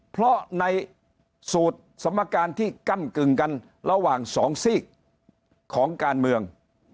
เพราะในสูตรสมการที่ก้ำกึ่งกันระหว่างสองซีกของการเมือง